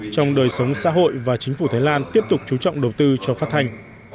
trong đời sống xã hội và chính phủ thái lan tiếp tục chú trọng đầu tư cho phát thanh